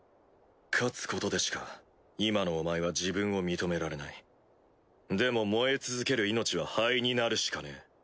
勝つことでしか今のお前は自分を認められないでも燃え続ける命は灰になるしかねえ。